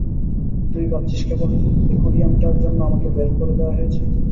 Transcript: তুই ভাবছিস কেবল অ্যাকোরিয়াম টার জন্য আমাকে বের করে দেয়া হয়েছে?